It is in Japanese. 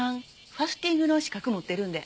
ファスティングの資格持ってるんで。